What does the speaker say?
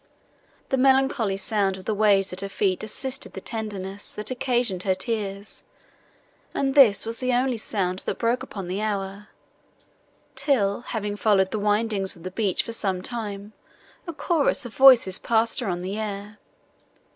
The melancholy sound of the waves at her feet assisted the tenderness, that occasioned her tears, and this was the only sound, that broke upon the hour, till, having followed the windings of the beach, for some time, a chorus of voices passed her on the air.